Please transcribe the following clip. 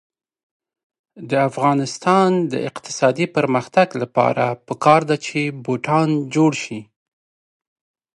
د افغانستان د اقتصادي پرمختګ لپاره پکار ده چې بوټان جوړ شي.